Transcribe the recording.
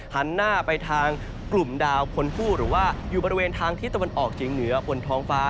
หันหน้าไปทางกลุ่มดาวคนฟู้หรือว่าอยู่บริเวณทางที่ตะวันออกเฉียงเหนือบนท้องฟ้า